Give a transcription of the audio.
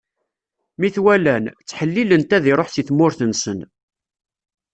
Mi t-walan, ttḥellilen-t ad iṛuḥ si tmurt-nsen.